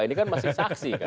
ini kan masih saat